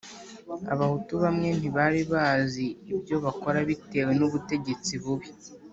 Abahutu bamwe ntibari bazi ibyo bakora bitewe n’ubutegetsi bubi